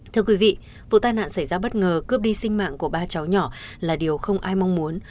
thưa quý vị vụ tai nạn xảy ra bất ngờ cướp đi sinh mạng của ba cháu nhỏ là điều không ai mong muốn